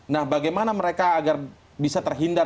nah bagaimana mereka agar bisa terhindar